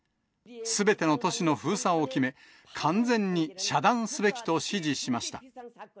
すべての都市の封鎖を決め、完全に遮断すべきと指示しました。